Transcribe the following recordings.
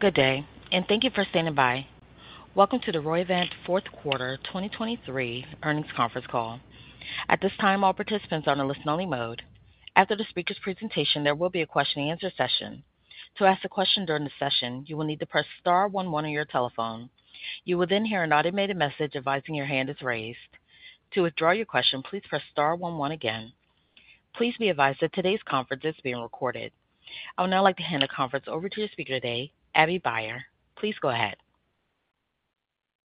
Good day, and thank you for standing by. Welcome to the Roivant fourth quarter 2023 earnings conference call. At this time, all participants are on a listen-only mode. After the speaker's presentation, there will be a question-and-answer session. To ask a question during the session, you will need to press star one one on your telephone. You will then hear an automated message advising your hand is raised. To withdraw your question, please press star one one again. Please be advised that today's conference is being recorded. I would now like to hand the conference over to the speaker today, Stephanie Lee. Please go ahead.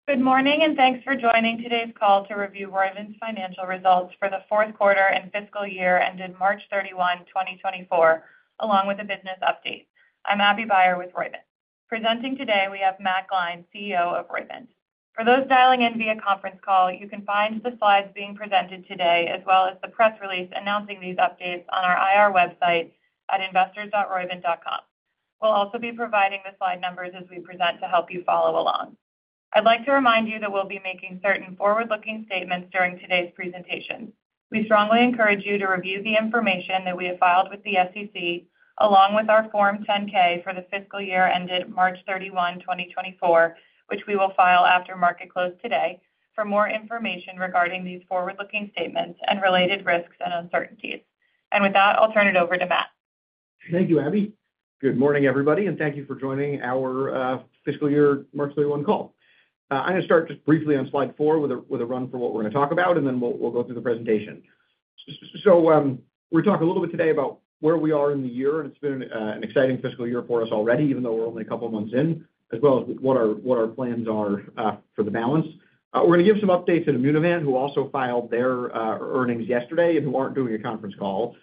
Good morning, and thanks for joining today's call to review Roivant's financial results for the fourth quarter and fiscal year ended March 31, 2024, along with a business update. I'm Stephanie Lee with Roivant. Presenting today, we have Matt Gline, CEO of Roivant. For those dialing in via conference call, you can find the slides being presented today, as well as the press release announcing these updates on our IR website at investors.roivant.com. We'll also be providing the slide numbers as we present to help you follow along. I'd like to remind you that we'll be making certain forward-looking statements during today's presentation. We strongly encourage you to review the information that we have filed with the SEC, along with our Form 10-K for the fiscal year ended March 31, 2024, which we will file after market close today, for more information regarding these forward-looking statements and related risks and uncertainties. With that, I'll turn it over to Matt. Thank you, Abby. Good morning, everybody, and thank you for joining our fiscal year March 31 call. I'm going to start just briefly on slide 4 with a run for what we're going to talk about, and then we'll go through the presentation. So, we'll talk a little bit today about where we are in the year, and it's been an exciting fiscal year for us already, even though we're only a couple of months in, as well as what our plans are for the balance. We're going to give some updates at Immunovant, who also filed their earnings yesterday and who aren't doing a conference call.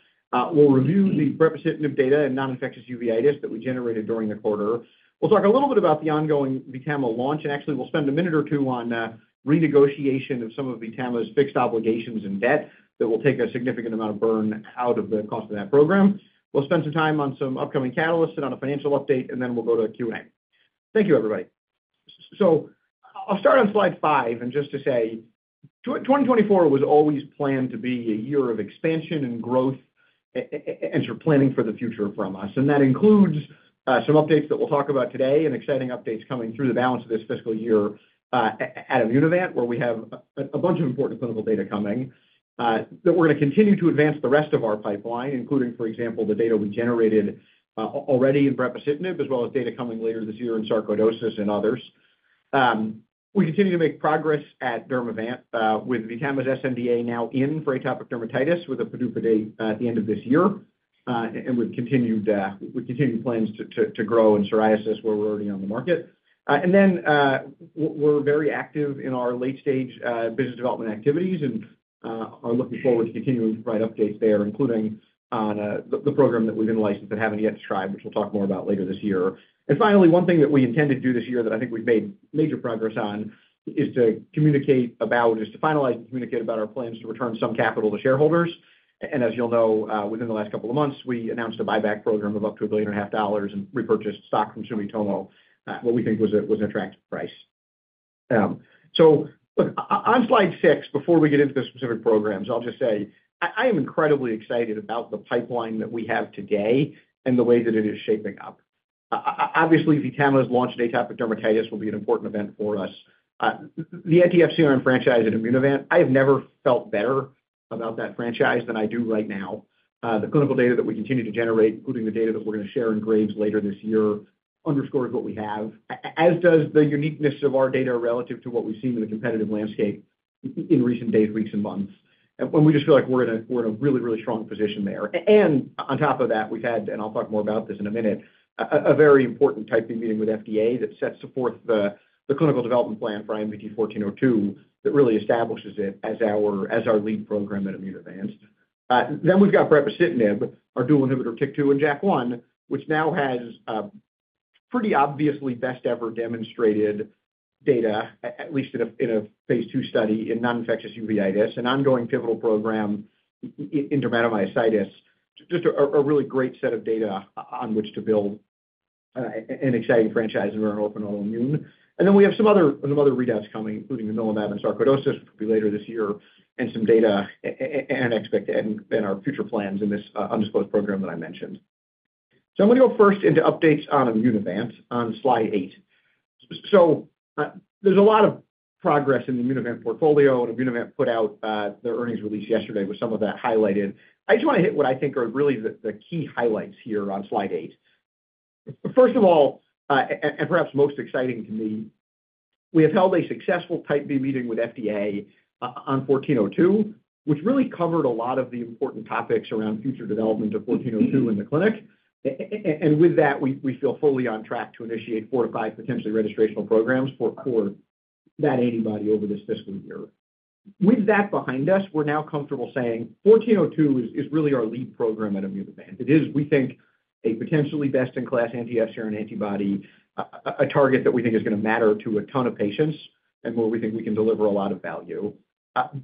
We'll review the brepocitinib data and non-infectious uveitis that we generated during the quarter. We'll talk a little bit about the ongoing VTAMA launch, and actually, we'll spend a minute or two on renegotiation of some of VTAMA's fixed obligations and debt that will take a significant amount of burn out of the cost of that program. We'll spend some time on some upcoming catalysts and on a financial update, and then we'll go to Q&A. Thank you, everybody. So I'll start on slide 5, and just to say, 2024 was always planned to be a year of expansion and growth as you're planning for the future from us, and that includes some updates that we'll talk about today and exciting updates coming through the balance of this fiscal year at Immunovant, where we have a bunch of important clinical data coming. That we're going to continue to advance the rest of our pipeline, including, for example, the data we generated already in brepocitinib, as well as data coming later this year in sarcoidosis and others. We continue to make progress at Dermavant with VTAMA's sNDA now in for atopic dermatitis, with a PDUFA date at the end of this year, and with continued plans to grow in psoriasis, where we're already on the market. And then, we're very active in our late-stage business development activities and are looking forward to continuing to provide updates there, including on the program that we've been licensed but haven't yet described, which we'll talk more about later this year. Finally, one thing that we intend to do this year that I think we've made major progress on is to communicate about... is to finalize and communicate about our plans to return some capital to shareholders. And as you'll know, within the last couple of months, we announced a buyback program of up to $1.5 billion and repurchased stock from Sumitomo Pharma, what we think was an attractive price. So on slide six, before we get into the specific programs, I'll just say, I am incredibly excited about the pipeline that we have today and the way that it is shaping up. Obviously, VTAMA's launch in atopic dermatitis will be an important event for us. The anti-FcRn franchise at Immunovant, I have never felt better about that franchise than I do right now. The clinical data that we continue to generate, including the data that we're going to share in Graves later this year, underscores what we have, as does the uniqueness of our data relative to what we've seen in the competitive landscape in recent days, weeks, and months. We just feel like we're in a really, really strong position there. On top of that, we've had, and I'll talk more about this in a minute, a very important Type B meeting with FDA that sets forth the clinical development plan for IMVT-1402 that really establishes it as our lead program at Immunovant. Then we've got brepocitinib, our dual inhibitor, TYK2 and JAK1, which now has pretty obviously best-ever demonstrated data, at least in a phase II study in non-infectious uveitis, an ongoing pivotal program in dermatomyositis. Just a really great set of data on which to build an exciting franchise in oral immune. And then we have some other readouts coming, including the namilumab and sarcoidosis, which will be later this year, and some data and our future plans in this undisclosed program that I mentioned. So I'm going to go first into updates on Immunovant on Slide eight. So there's a lot of progress in the Immunovant portfolio, and Immunovant put out their earnings release yesterday with some of that highlighted. I just want to hit what I think are really the key highlights here on Slide eight. First of all, and perhaps most exciting to me, we have held a successful Type B meeting with FDA on 1402, which really covered a lot of the important topics around future development of 1402 in the clinic. And with that, we feel fully on track to initiate 4-5 potentially registrational programs for that antibody over this fiscal year. With that behind us, we're now comfortable saying 1402 is really our lead program at Immunovant. It is, we think, a potentially best-in-class anti-FcRn antibody, a target that we think is going to matter to a ton of patients and where we think we can deliver a lot of value.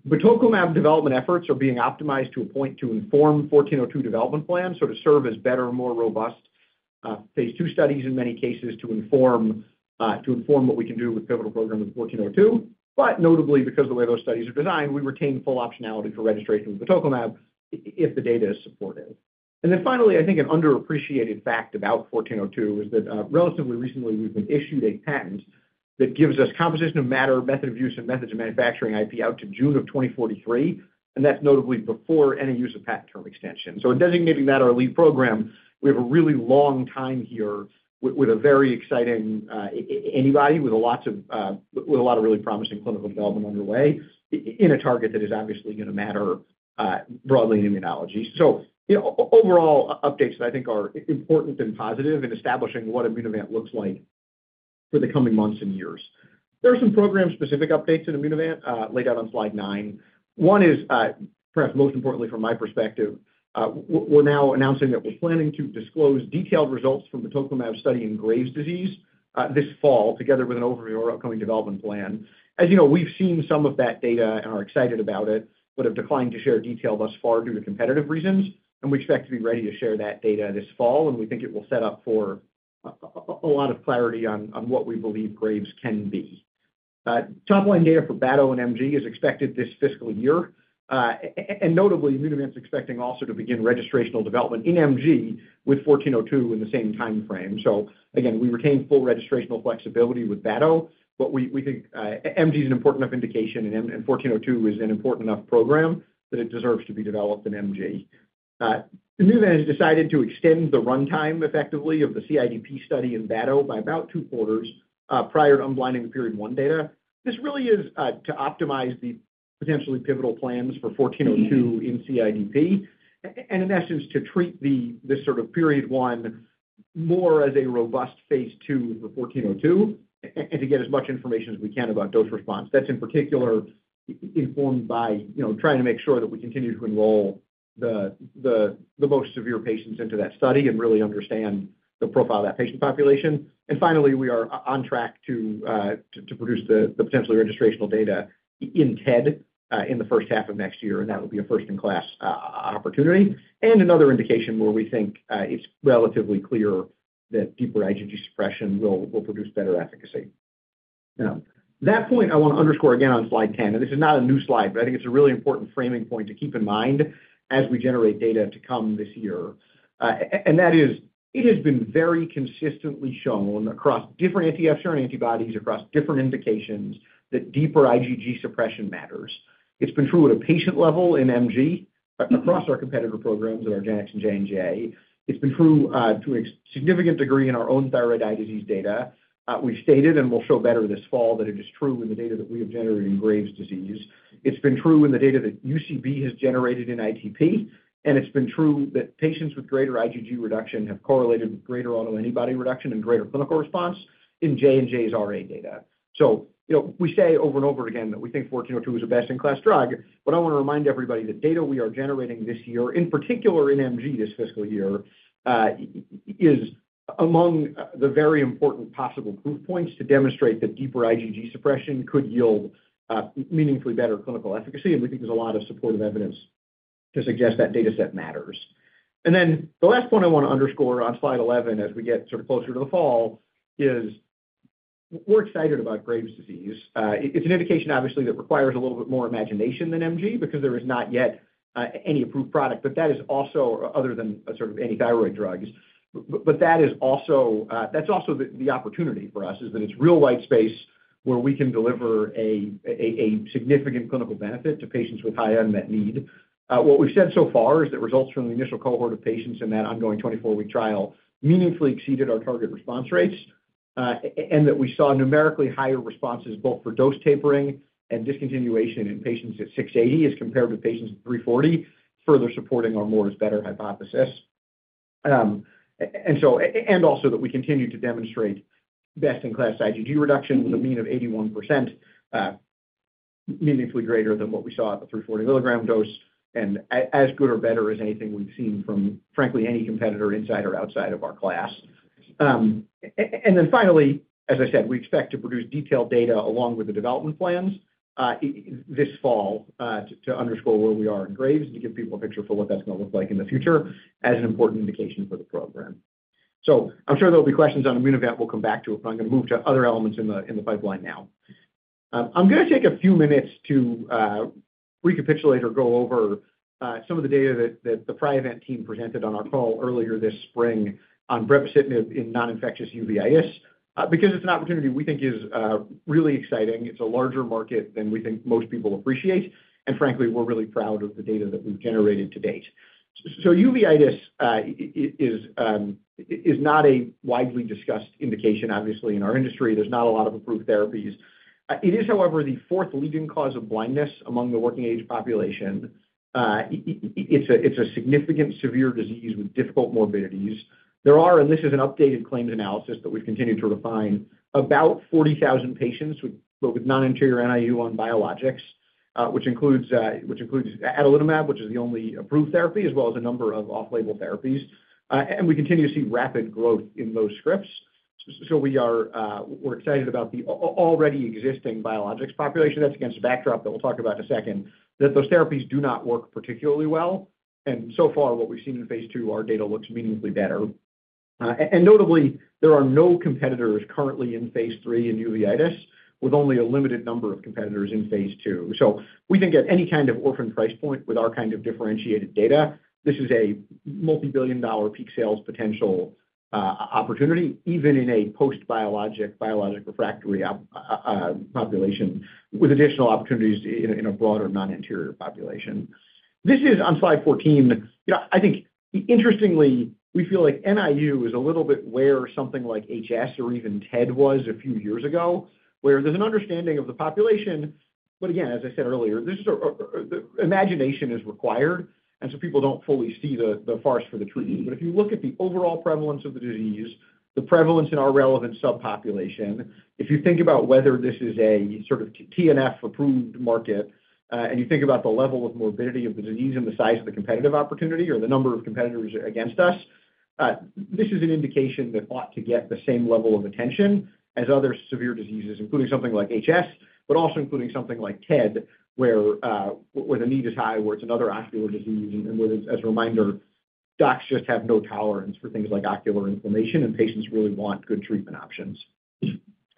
batoclimab development efforts are being optimized to a point to inform 1402 development plans, so to serve as better and more robust, phase II studies in many cases, to inform what we can do with pivotal program with 1402. But notably, because the way those studies are designed, we retain full optionality for registration of batoclimab if the data is supportive. And then finally, I think an underappreciated fact about 1402 is that, relatively recently, we've been issued a patent that gives us composition of matter, method of use, and methods of manufacturing IP out to June of 2043, and that's notably before any use of patent term extension. So in designating that our lead program, we have a really long time here with a very exciting antibody with a lot of really promising clinical development underway in a target that is obviously going to matter broadly in immunology. So, you know, overall updates that I think are important and positive in establishing what Immunovant looks like for the coming months and years. There are some program-specific updates in Immunovant laid out on Slide 9. One is, perhaps most importantly from my perspective, we're now announcing that we're planning to disclose detailed results from the batoclimab study in Graves' disease this fall, together with an overview of our upcoming development plan. As you know, we've seen some of that data and are excited about it, but have declined to share detail thus far due to competitive reasons. We expect to be ready to share that data this fall, and we think it will set up for a lot of clarity on what we believe Graves' can be. Top line data for BATO and MG is expected this fiscal year. And notably, Immunovant's expecting also to begin registrational development in MG with 1402 in the same time frame. So again, we retain full registrational flexibility with BATO, but we think MG is an important enough indication, and 1402 is an important enough program that it deserves to be developed in MG. Immunovant has decided to extend the runtime effectively of the CIDP study in BATO by about two quarters prior to unblinding the Period One data. This really is to optimize the potentially pivotal plans for 1402 in CIDP, and in essence, to treat this sort of Period One more as a robust phase II for 1402, and to get as much information as we can about dose response. That's in particular, informed by, you know, trying to make sure that we continue to enroll the most severe patients into that study and really understand the profile of that patient population. And finally, we are on track to produce the potentially registrational data in TED in the first half of next year, and that will be a first-in-class opportunity. And another indication where we think it's relatively clear that deeper IgG suppression will produce better efficacy. Now, that point I want to underscore again on Slide 10, and this is not a new slide, but I think it's a really important framing point to keep in mind as we generate data to come this year. And that is, it has been very consistently shown across different anti-FcRn antibodies, across different indications, that deeper IgG suppression matters. It's been true at a patient level in MG, across our competitor programs at argenx and J&J. It's been true, to a significant degree in our own thyroid eye disease data. We've stated and will show better this fall, that it is true in the data that we have generated in Graves' disease. It's been true in the data that UCB has generated in ITP, and it's been true that patients with greater IgG reduction have correlated with greater autoantibody reduction and greater clinical response in J&J's RA data. So, you know, we say over and over again that we think 1402 is a best-in-class drug, but I want to remind everybody that data we are generating this year, in particular in MG this fiscal year, is among the very important possible proof points to demonstrate that deeper IgG suppression could yield meaningfully better clinical efficacy, and we think there's a lot of supportive evidence to suggest that data set matters. And then the last point I want to underscore on Slide 11, as we get sort of closer to the fall, is we're excited about Graves' disease. It's an indication, obviously, that requires a little bit more imagination than MG because there is not yet any approved product, but that is also other than a sort of anti-thyroid drugs. But that is also, that's also the opportunity for us, is that it's real white space where we can deliver a significant clinical benefit to patients with high unmet need. What we've said so far is that results from the initial cohort of patients in that ongoing 24-week trial meaningfully exceeded our target response rates, and that we saw numerically higher responses both for dose tapering and discontinuation in patients at 680 as compared to patients at 340, further supporting our more is better hypothesis. And so, and also that we continue to demonstrate best-in-class IgG reduction with a mean of 81%, meaningfully greater than what we saw at the 340 milligram dose, and as good or better as anything we've seen from, frankly, any competitor inside or outside of our class. And then finally, as I said, we expect to produce detailed data along with the development plans, this fall, to underscore where we are in Graves' and to give people a picture for what that's going to look like in the future as an important indication for the program. So I'm sure there'll be questions on Immunovant. We'll come back to it, but I'm going to move to other elements in the pipeline now. I'm going to take a few minutes to recapitulate or go over some of the data that the Priovant team presented on our call earlier this spring on brepocitinib in non-infectious uveitis, because it's an opportunity we think is really exciting. It's a larger market than we think most people appreciate, and frankly, we're really proud of the data that we've generated to date. So uveitis is not a widely discussed indication, obviously, in our industry. There's not a lot of approved therapies. However, it is the fourth leading cause of blindness among the working-age population. It's a significant severe disease with difficult morbidities. There are, and this is an updated claims analysis that we've continued to refine, about 40,000 patients with non-infectious NIU on biologics, which includes adalimumab, which is the only approved therapy, as well as a number of off-label therapies. And we continue to see rapid growth in those scripts. So we are, we're excited about the already existing biologics population. That's against the backdrop that we'll talk about in a second, that those therapies do not work particularly well, and so far, what we've seen in phase II, our data looks meaningfully better. And notably, there are no competitors currently in phase III in uveitis, with only a limited number of competitors in phase II. So we think at any kind of orphan price point with our kind of differentiated data, this is a $ multi-billion peak sales potential opportunity, even in a post-biologic, biologic refractory population, with additional opportunities in a, in a broader non-anterior population. This is on slide 14. You know, I think interestingly, we feel like NIU is a little bit where something like HS or even TED was a few years ago, where there's an understanding of the population. But again, as I said earlier, this is the imagination is required, and so people don't fully see the, the forest for the trees. But if you look at the overall prevalence of the disease, the prevalence in our relevant subpopulation, if you think about whether this is a sort of TNF-approved market, and you think about the level of morbidity of the disease and the size of the competitive opportunity or the number of competitors against us, this is an indication that ought to get the same level of attention as other severe diseases, including something like HS, but also including something like TED, where the need is high, where it's another ocular disease, and where, as a reminder, docs just have no tolerance for things like ocular inflammation, and patients really want good treatment options.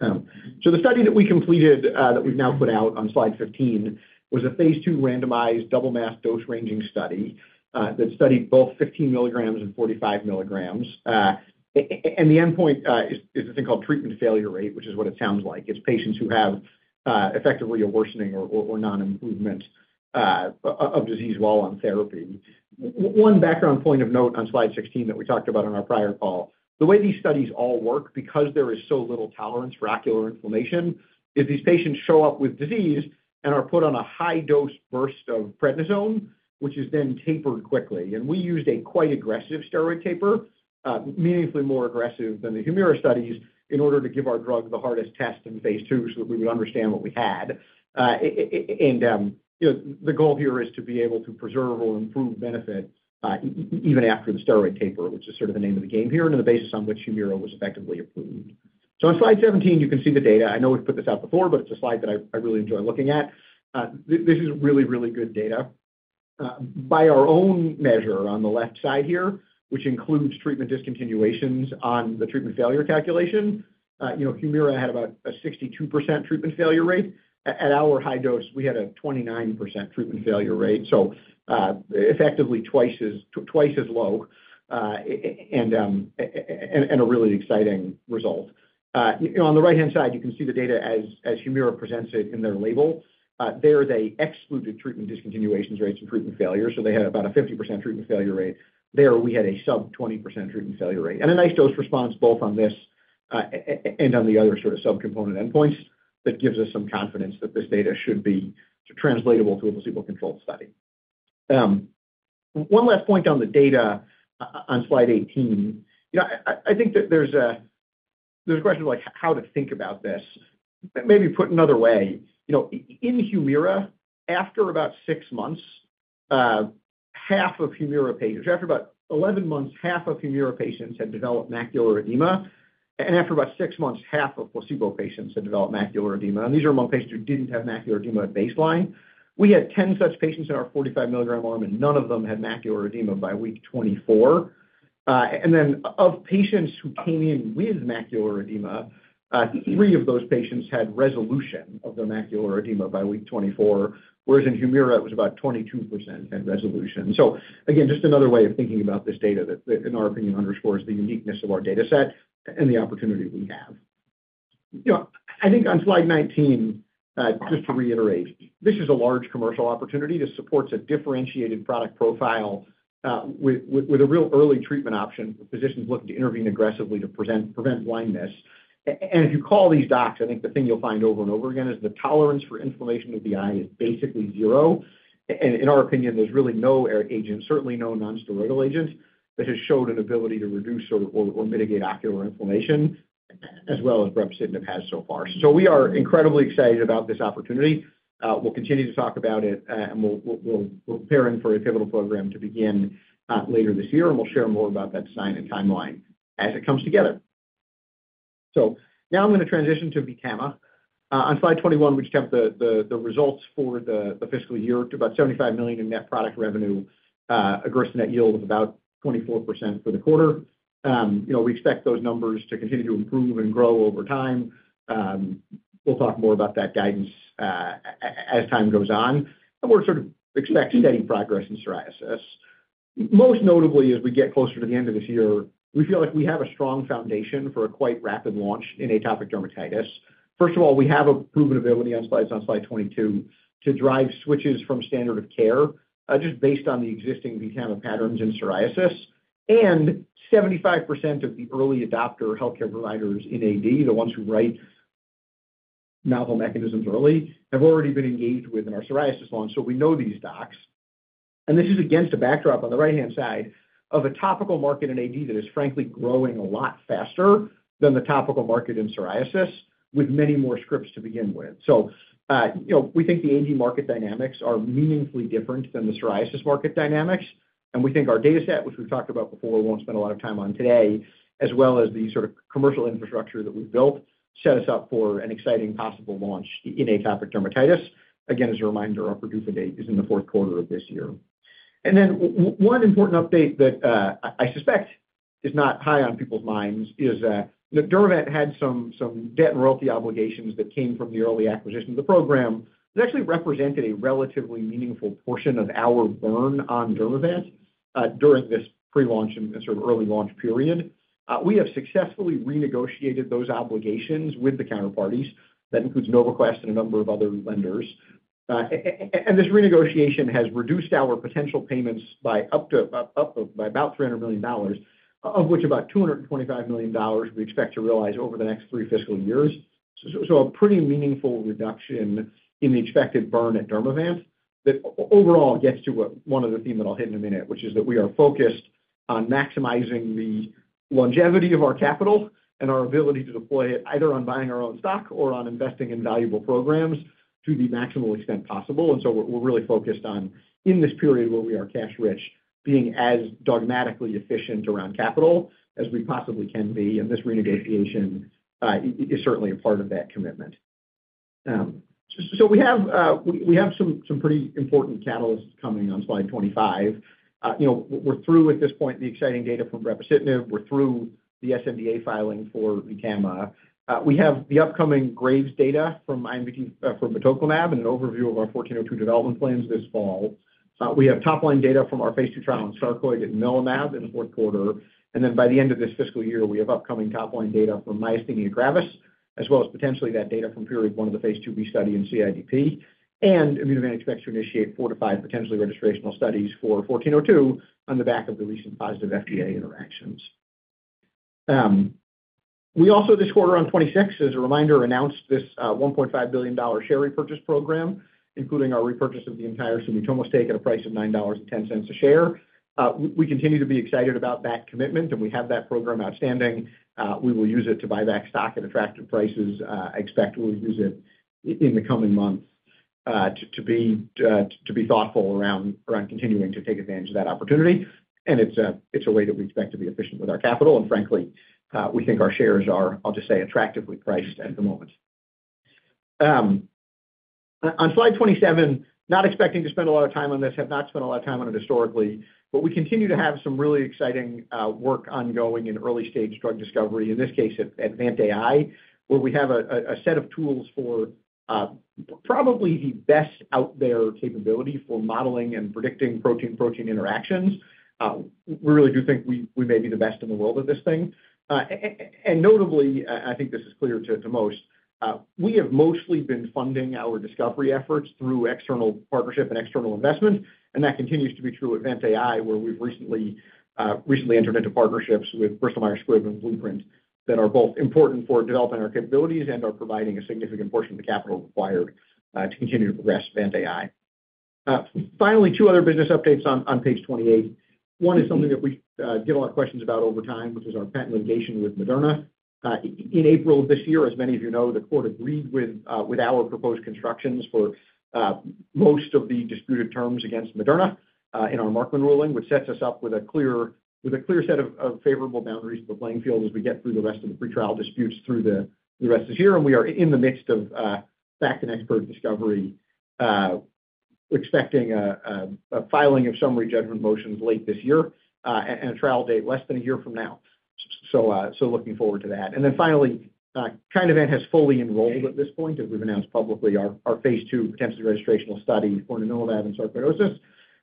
So the study that we completed, that we've now put out on slide 15, was a phase II randomized double-mask dose ranging study, that studied both 15 milligrams and 45 milligrams. And the endpoint is a thing called treatment failure rate, which is what it sounds like. It's patients who have effectively a worsening or non-improvement of disease while on therapy. One background point of note on slide 16 that we talked about on our prior call, the way these studies all work, because there is so little tolerance for ocular inflammation, is these patients show up with disease and are put on a high-dose burst of prednisone, which is then tapered quickly. We used a quite aggressive steroid taper, meaningfully more aggressive than the Humira studies, in order to give our drug the hardest test in phase II, so that we would understand what we had. You know, the goal here is to be able to preserve or improve benefit, even after the steroid taper, which is sort of the name of the game here, and the basis on which Humira was effectively approved. So on slide 17, you can see the data. I know we've put this out before, but it's a slide that I really enjoy looking at. This is really, really good data. By our own measure on the left side here, which includes treatment discontinuations on the treatment failure calculation, you know, Humira had about a 62% treatment failure rate. At our high dose, we had a 29% treatment failure rate, so effectively twice as low, and a really exciting result. You know, on the right-hand side, you can see the data as Humira presents it in their label. There they excluded treatment discontinuations rates and treatment failures, so they had about a 50% treatment failure rate. There we had a sub-20% treatment failure rate. And a nice dose response both on this and on the other sort of subcomponent endpoints that gives us some confidence that this data should be translatable to a placebo-controlled study. One last point on the data on slide 18. You know, I think that there's a question of, like, how to think about this. Maybe put another way, you know, in Humira, after about 6 months, half of Humira patients—after about 11 months, half of Humira patients had developed macular edema, and after about 6 months, half of placebo patients had developed macular edema. These are among patients who didn't have macular edema at baseline. We had 10 such patients in our 45 milligram arm, and none of them had macular edema by week 24. And then of patients who came in with macular edema, 3 of those patients had resolution of their macular edema by week 24, whereas in Humira, it was about 22% at resolution. So again, just another way of thinking about this data that, in our opinion, underscores the uniqueness of our data set and the opportunity we have. You know, I think on slide 19, just to reiterate, this is a large commercial opportunity. This supports a differentiated product profile, with a real early treatment option for physicians looking to intervene aggressively to prevent blindness. And if you call these docs, I think the thing you'll find over and over again is the tolerance for inflammation of the eye is basically zero. And in our opinion, there's really no agent, certainly no nonsteroidal agent, that has showed an ability to reduce or mitigate ocular inflammation as well as brepocitinib has so far. So we are incredibly excited about this opportunity. We'll continue to talk about it, and we'll prepare in for a pivotal program to begin later this year, and we'll share more about that sign and timeline as it comes together. So now I'm going to transition to VTAMA. On slide 21, which kept the results for the fiscal year to about $75 million in net product revenue, a gross net yield of about 24% for the quarter. You know, we expect those numbers to continue to improve and grow over time. We'll talk more about that guidance as time goes on, and we're sort of expect steady progress in psoriasis. Most notably, as we get closer to the end of this year, we feel like we have a strong foundation for a quite rapid launch in atopic dermatitis. First of all, we have a proven ability on slide 22 to drive switches from standard of care, just based on the existing VTAMA patterns in psoriasis. And 75% of the early adopter healthcare providers in AD, the ones who write novel mechanisms early, have already been engaged with in our psoriasis launch, so we know these docs. And this is against a backdrop on the right-hand side of a topical market in AD that is frankly growing a lot faster than the topical market in psoriasis, with many more scripts to begin with. So, you know, we think the AD market dynamics are meaningfully different than the psoriasis market dynamics. And we think our data set, which we've talked about before, we won't spend a lot of time on today, as well as the sort of commercial infrastructure that we've built, set us up for an exciting possible launch in atopic dermatitis. Again, as a reminder, our PDUFA date is in the fourth quarter of this year. One important update that I suspect is not high on people's minds is that Dermavant had some debt and royalty obligations that came from the early acquisition of the program, that actually represented a relatively meaningful portion of our burn on Dermavant during this pre-launch and sort of early launch period. We have successfully renegotiated those obligations with the counterparties. That includes NovaQuest and a number of other lenders. And this renegotiation has reduced our potential payments by up to about $300 million, of which about $225 million we expect to realize over the next three fiscal years. So a pretty meaningful reduction in the expected burn at Dermavant, that overall gets to what one of the themes that I'll hit in a minute, which is that we are focused on maximizing the longevity of our capital and our ability to deploy it, either on buying our own stock or on investing in valuable programs to the maximal extent possible. So we're really focused on, in this period where we are cash rich, being as dogmatically efficient around capital as we possibly can be, and this renegotiation is certainly a part of that commitment. So we have some pretty important catalysts coming on slide 25. You know, we're through, at this point, the exciting data from brepocitinib. We're through the sNDA filing for VTAMA. We have the upcoming Graves' data from IMVT-1402. From batoclimab, and an overview of our 1402 development plans this fall. We have top-line data from our phase II trial on sarcoidosis and namilumab in the fourth quarter. And then by the end of this fiscal year, we have upcoming top-line data from myasthenia gravis, as well as potentially that data from period 1 of the phase IIb study in CIDP. And Immunovant expects to initiate 4-5 potentially registrational studies for 1402 on the back of the recent positive FDA interactions. We also, this quarter on 26, as a reminder, announced this $1.5 billion share repurchase program, including our repurchase of the entire Sumitomo stake at a price of $9.10 a share. We continue to be excited about that commitment, and we have that program outstanding. We will use it to buy back stock at attractive prices. Expect we'll use it in the coming months to be thoughtful around continuing to take advantage of that opportunity. And it's a way that we expect to be efficient with our capital, and frankly, we think our shares are, I'll just say, attractively priced at the moment. On slide 27, not expecting to spend a lot of time on this, have not spent a lot of time on it historically, but we continue to have some really exciting work ongoing in early stage drug discovery, in this case, at VantAI, where we have a set of tools for probably the best out there capability for modeling and predicting protein-protein interactions. We really do think we, we may be the best in the world at this thing. And notably, I think this is clear to most, we have mostly been funding our discovery efforts through external partnership and external investment, and that continues to be true at VantAI, where we've recently entered into partnerships with Bristol Myers Squibb and Blueprint that are both important for developing our capabilities and are providing a significant portion of the capital required to continue to progress VantAI. Finally, two other business updates on page 28. One is something that we get a lot of questions about over time, which is our patent litigation with Moderna. In April of this year, as many of you know, the court agreed with, with our proposed constructions for, most of the disputed terms against Moderna, in our Markman ruling, which sets us up with a clear with a clear set of, favorable boundaries to the playing field as we get through the rest of the pre-trial disputes through the, the rest of this year. And we are in the midst of, fact and expert discovery, expecting a filing of summary judgment motions late this year, and a trial date less than a year from now. So, so looking forward to that. And then finally, Kinevant has fully enrolled at this point, as we've announced publicly, our phase II potential registrational study for namilumab and sarcoidosis.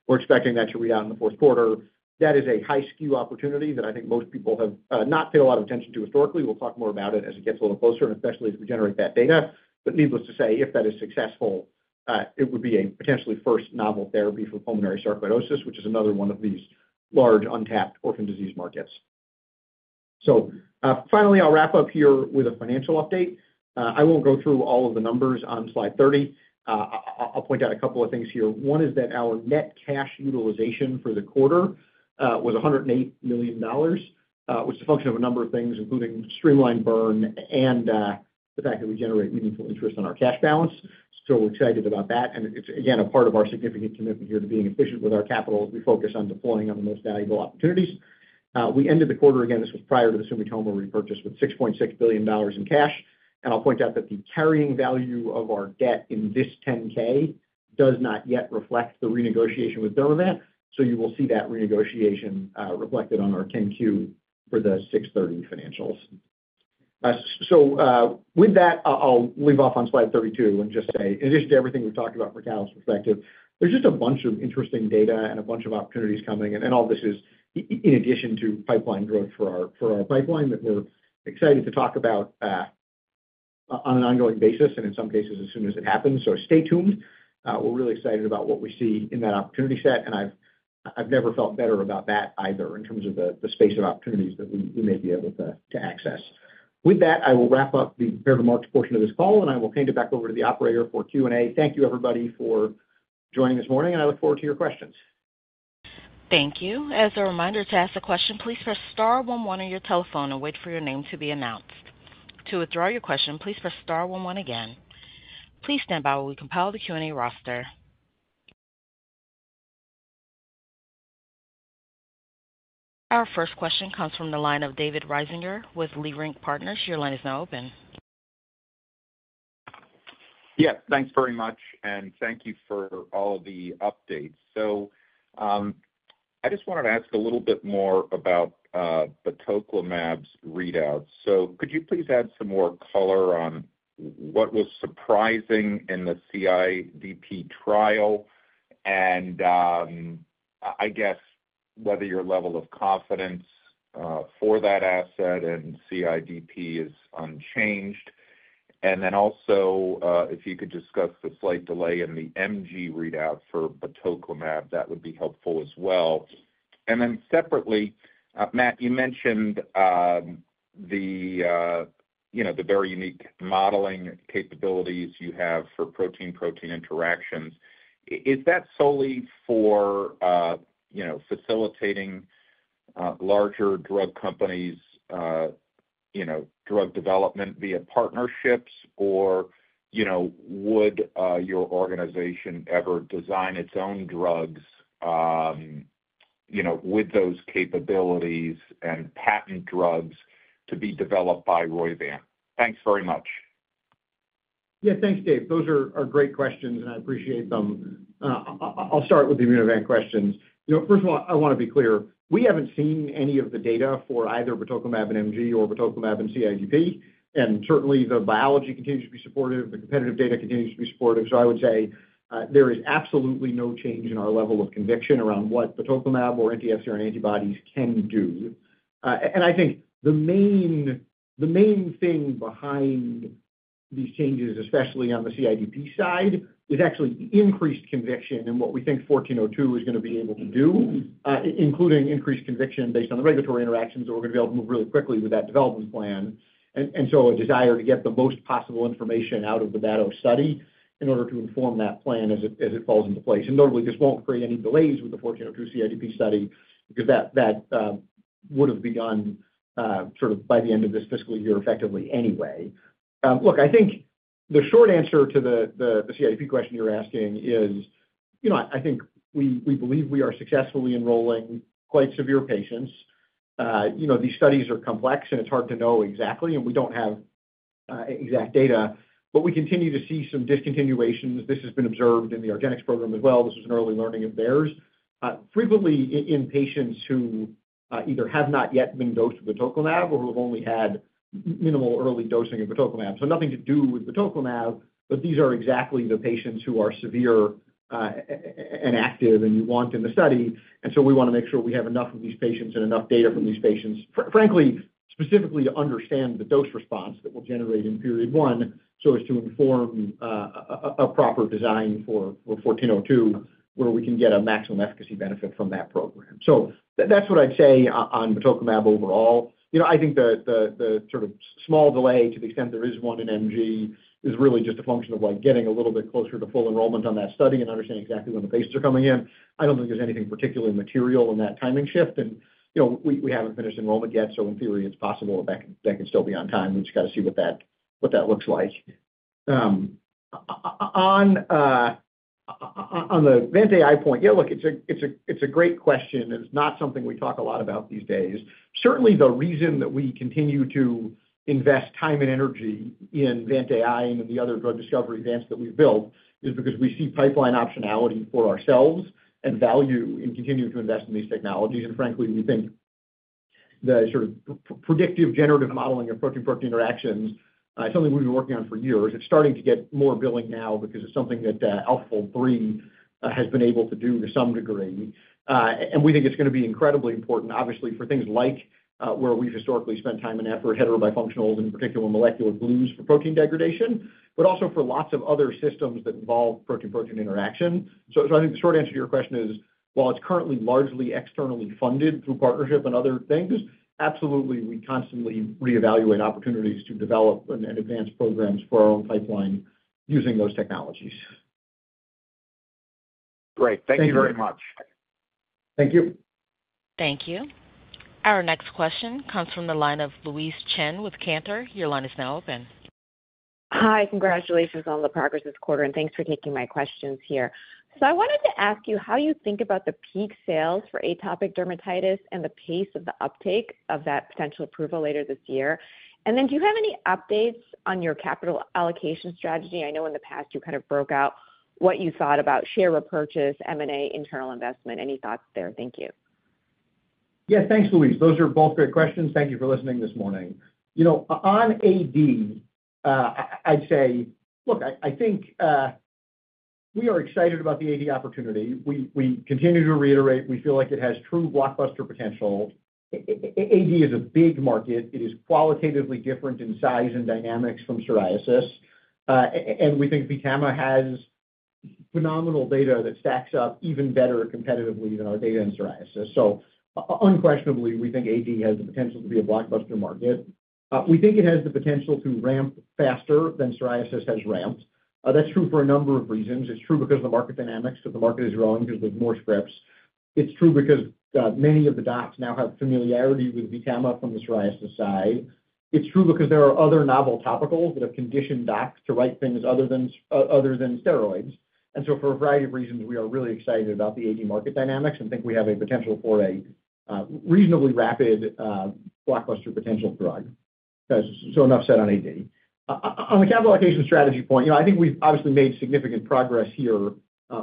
We're expecting that to be out in the fourth quarter. That is a high skew opportunity that I think most people have not paid a lot of attention to historically. We'll talk more about it as it gets a little closer, and especially as we generate that data. But needless to say, if that is successful, it would be a potentially first novel therapy for pulmonary sarcoidosis, which is another one of these large untapped orphan disease markets. So, finally, I'll wrap up here with a financial update. I won't go through all of the numbers on slide 30. I'll point out a couple of things here. One is that our net cash utilization for the quarter was $108 million, was a function of a number of things, including streamlined burn and the fact that we generate meaningful interest on our cash balance. So we're excited about that. And it's, again, a part of our significant commitment here to being efficient with our capital as we focus on deploying on the most valuable opportunities. We ended the quarter, again, this was prior to the Sumitomo repurchase, with $6.6 billion in cash. And I'll point out that the carrying value of our debt in this 10-K does not yet reflect the renegotiation with Dermavant, so you will see that renegotiation reflected on our 10-Q for the June 30 financials. So, with that, I'll leave off on slide 32 and just say, in addition to everything we've talked about from a catalyst perspective, there's just a bunch of interesting data and a bunch of opportunities coming, and all this is in addition to pipeline growth for our pipeline that we're excited to talk about on an ongoing basis, and in some cases, as soon as it happens. So stay tuned. We're really excited about what we see in that opportunity set, and I've never felt better about that either, in terms of the space of opportunities that we may be able to access. With that, I will wrap up the prepared remarks portion of this call, and I will hand it back over to the operator for Q&A. Thank you, everybody, for joining this morning, and I look forward to your questions. Thank you. As a reminder to ask a question, please press star one one on your telephone and wait for your name to be announced. To withdraw your question, please press star one one again. Please stand by while we compile the Q&A roster. Our first question comes from the line of David Risinger with Leerink Partners. Your line is now open.... Yeah, thanks very much, and thank you for all the updates. So, I just wanted to ask a little bit more about batoclimab's readout. So could you please add some more color on what was surprising in the CIDP trial? And, I guess whether your level of confidence for that asset and CIDP is unchanged. And then also, if you could discuss the slight delay in the MG readout for batoclimab, that would be helpful as well. And then separately, Matt, you mentioned, you know, the very unique modeling capabilities you have for protein-protein interactions. Is that solely for, you know, facilitating, larger drug companies', you know, drug development, be it partnerships, or, you know, would your organization ever design its own drugs, you know, with those capabilities and patent drugs to be developed by Roivant? Thanks very much. Yeah. Thanks, Dave. Those are great questions, and I appreciate them. I'll start with the Immunovant questions. You know, first of all, I want to be clear, we haven't seen any of the data for either batoclimab and MG or batoclimab and CIDP, and certainly, the biology continues to be supportive, the competitive data continues to be supportive. So I would say, there is absolutely no change in our level of conviction around what batoclimab or anti-FcRn antibodies can do. And I think the main, the main thing behind these changes, especially on the CIDP side, is actually increased conviction in what we think 1402 is going to be able to do, including increased conviction based on the regulatory interactions, that we're going to be able to move really quickly with that development plan. So a desire to get the most possible information out of the BATO study in order to inform that plan as it falls into place. And notably, this won't create any delays with the 1402 CIDP study because that would have begun sort of by the end of this fiscal year, effectively anyway. Look, I think the short answer to the CIDP question you're asking is, you know, I think we believe we are successfully enrolling quite severe patients. You know, these studies are complex, and it's hard to know exactly, and we don't have exact data, but we continue to see some discontinuations. This has been observed in the argenx program as well. This was an early learning of theirs. Frequently in patients who either have not yet been dosed with batoclimab or who have only had minimal early dosing of batoclimab. So nothing to do with batoclimab, but these are exactly the patients who are severe and active and you want in the study. And so we want to make sure we have enough of these patients and enough data from these patients, frankly, specifically to understand the dose response that we'll generate in period one, so as to inform a proper design for 1402, where we can get a maximum efficacy benefit from that program. So that's what I'd say on batoclimab overall. You know, I think the sort of small delay, to the extent there is one in MG, is really just a function of, like, getting a little bit closer to full enrollment on that study and understanding exactly when the patients are coming in. I don't think there's anything particularly material in that timing shift. And, you know, we, we haven't finished enrollment yet, so in theory, it's possible that that can still be on time. We just got to see what that, what that looks like. On the VantAI point, yeah, look, it's a great question, and it's not something we talk a lot about these days. Certainly, the reason that we continue to invest time and energy in VantAI and in the other drug discovery Vants that we've built, is because we see pipeline optionality for ourselves and value in continuing to invest in these technologies. And frankly, we think the sort of predictive generative modeling of protein-protein interactions, something we've been working on for years, it's starting to get more billing now because it's something that, AlphaFold 3, has been able to do to some degree. And we think it's going to be incredibly important, obviously, for things like, where we've historically spent time and effort, heterobifunctionals, in particular, molecular glues for protein degradation, but also for lots of other systems that involve protein-protein interaction. So, I think the short answer to your question is, while it's currently largely externally funded through partnership and other things, absolutely, we constantly reevaluate opportunities to develop and advance programs for our own pipeline using those technologies. Great. Thank you very much. Thank you. Thank you. Our next question comes from the line of Louise Chen with Cantor. Your line is now open. Hi, congratulations on the progress this quarter, and thanks for taking my questions here. So I wanted to ask you how you think about the peak sales for atopic dermatitis and the pace of the uptake of that potential approval later this year. And then, do you have any updates on your capital allocation strategy? I know in the past you kind of broke out what you thought about share repurchase, M&A, internal investment. Any thoughts there? Thank you. Yeah, thanks, Louise. Those are both great questions. Thank you for listening this morning. You know, on AD, I'd say. Look, I think, we are excited about the AD opportunity. We continue to reiterate, we feel like it has true blockbuster potential. AD is a big market. It is qualitatively different in size and dynamics from psoriasis. And we think VTAMA has phenomenal data that stacks up even better competitively than our data in psoriasis. So unquestionably, we think AD has the potential to be a blockbuster market. We think it has the potential to ramp faster than psoriasis has ramped. That's true for a number of reasons. It's true because the market dynamics, because the market is growing, because there's more scripts. It's true because, many of the docs now have familiarity with VTAMA from the psoriasis side. It's true because there are other novel topicals that have conditioned docs to write things other than steroids. And so for a variety of reasons, we are really excited about the AD market dynamics and think we have a potential for reasonably rapid blockbuster potential drug. So enough said on AD. On the capital allocation strategy point, you know, I think we've obviously made significant progress here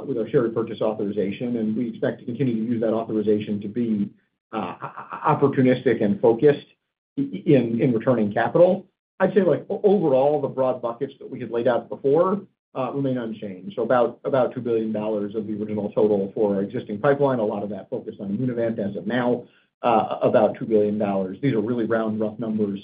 with our share repurchase authorization, and we expect to continue to use that authorization to be opportunistic and focused in returning capital. I'd say, like, overall, the broad buckets that we had laid out before remain unchanged. So about $2 billion of the original total for our existing pipeline, a lot of that focused on Immunovant. As of now, about $2 billion. These are really round, rough numbers,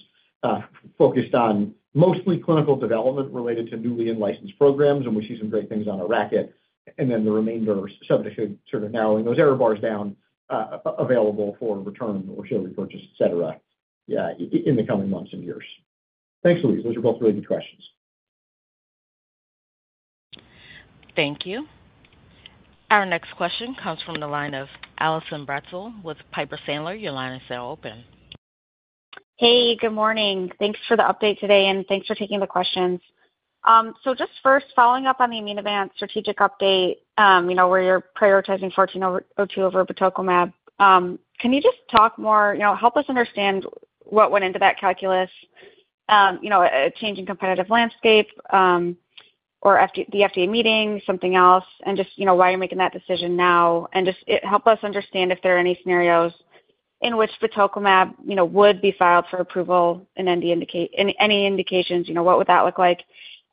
focused on mostly clinical development related to newly in-licensed programs, and we see some great things on the docket. And then the remainder, subject to sort of narrowing those error bars down, available for return or share repurchase, et cetera, yeah, in the coming months and years. Thanks, Louise. Those are both really good questions. Thank you. Our next question comes from the line of Allison Bratzel with Piper Sandler. Your line is now open. Hey, good morning. Thanks for the update today, and thanks for taking the questions. So just first, following up on the Immunovant strategic update, you know, where you're prioritizing 1402 over batoclimab. Can you just talk more? You know, help us understand what went into that calculus? You know, a changing competitive landscape, or the FDA meeting, something else, and just, you know, why you're making that decision now. And just, help us understand if there are any scenarios in which batoclimab, you know, would be filed for approval in any indications, you know, what would that look like?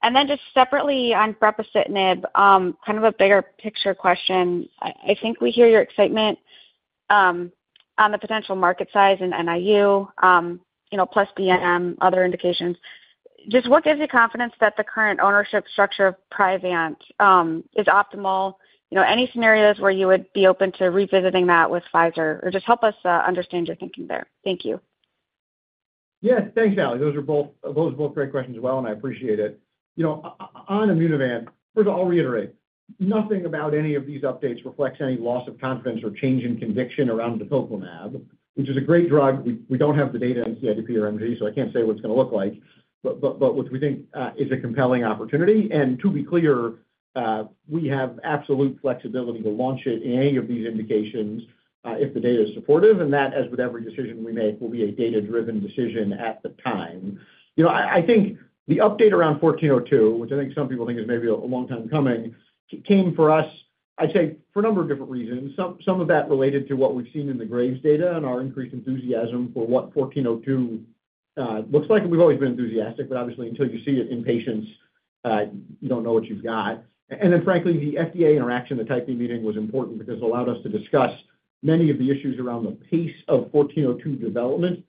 And then just separately on brepocitinib, kind of a bigger picture question. I think we hear your excitement, on the potential market size in NIU, you know, plus DM, other indications. Just what gives you confidence that the current ownership structure of Priovant is optimal? You know, any scenarios where you would be open to revisiting that with Pfizer? Or just help us understand your thinking there. Thank you. Yes, thanks, Ali. Those are both great questions as well, and I appreciate it. You know, on Immunovant, first of all, I'll reiterate, nothing about any of these updates reflects any loss of confidence or change in conviction around batoclimab, which is a great drug. We, we don't have the data in CIDP or MG, so I can't say what it's going to look like, but which we think is a compelling opportunity. And to be clear, we have absolute flexibility to launch it in any of these indications, if the data is supportive, and that, as with every decision we make, will be a data-driven decision at the time. You know, I think the update around 1402, which I think some people think is maybe a long time coming, came for us, I'd say, for a number of different reasons. Some of that related to what we've seen in the Graves' data and our increased enthusiasm for what 1402 looks like. And we've always been enthusiastic, but obviously, until you see it in patients, you don't know what you've got. And then frankly, the FDA interaction, the Type B meeting, was important because it allowed us to discuss many of the issues around the pace of 1402 development,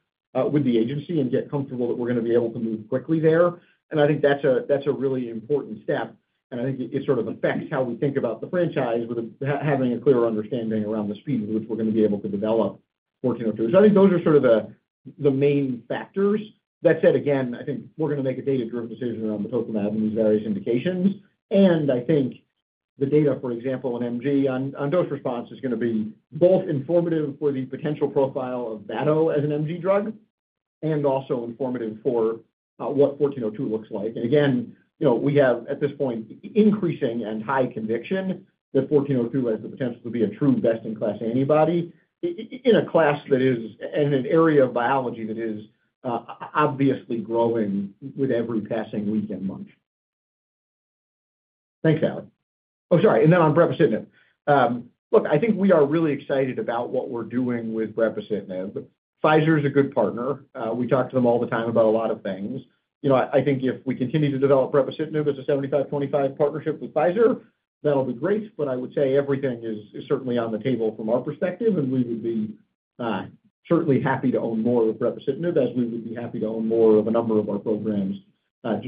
with the agency and get comfortable that we're going to be able to move quickly there. And I think that's a really important step, and I think it sort of affects how we think about the franchise with having a clearer understanding around the speed with which we're going to be able to develop 1402. So I think those are sort of the main factors. That said, again, I think we're going to make a data-driven decision around the batoclimab in these various indications. And I think the data, for example, on MG, on dose response, is going to be both informative for the potential profile of batoclimab as an MG drug and also informative for what 1402 looks like. And again, you know, we have, at this point, increasing and high conviction that 1402 has the potential to be a true best-in-class antibody in a class that is, in an area of biology that is obviously growing with every passing week and month. Thanks, Ali. Oh, sorry, and then on brepocitinib. Look, I think we are really excited about what we're doing with brepocitinib. Pfizer is a good partner. We talk to them all the time about a lot of things. You know, I think if we continue to develop brepocitinib as a 75/25 partnership with Pfizer, that'll be great, but I would say everything is certainly on the table from our perspective, and we would be certainly happy to own more of brepocitinib, as we would be happy to own more of a number of our programs,